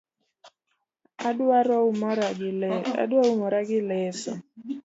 Aduaro umora gi leso